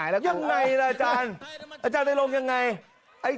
อย่างไรล่ะอาจารย์อาจารย์ไตรงยังไง